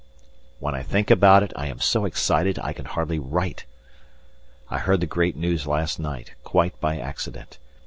When I think about it, I am so excited I can hardly write! I heard the great news last night, quite by accident.